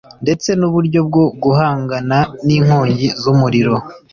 ndetse n´uburyo bwo guhangana n´inkongi z´umuriro